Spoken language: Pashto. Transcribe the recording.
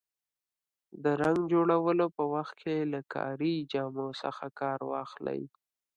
د رنګ جوړولو په وخت کې له کاري جامو څخه کار واخلئ.